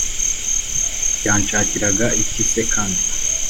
Yanshakiraga iki se kandi